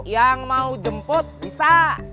yang mau jemput bisa